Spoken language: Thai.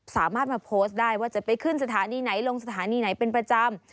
สามารถมาโพสต์ได้ว่าจะไปขึ้นสถานีไหนลงสถานีไหนเป็นประจำ